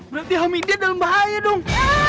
berarti hamida dalam bahaya dong